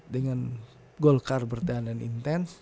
dengan golkar bertahan dan intens